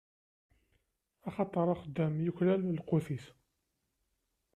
Axaṭer axeddam yuklal lqut-is.